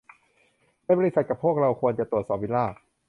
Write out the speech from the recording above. ใน บริษัท กับพวกเขาเราจะตรวจสอบวิลล่า